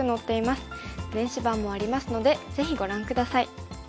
電子版もありますのでぜひご覧下さい。